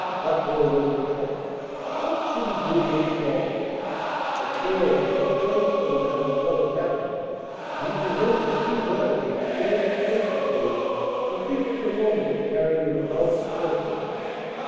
Ducklow was in trouble. What should he do with the bonds? The floor was no place for them after what had happened; and he remembered too well the experience of yesterday to think for a moment of carrying them about his person.